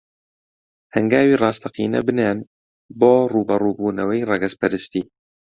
هەنگاوی ڕاستەقینە بنێن بۆ ڕووبەڕووبوونەوەی ڕەگەزپەرستی